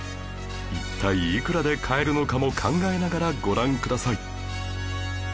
一体いくらで買えるのかも考えながらご覧ください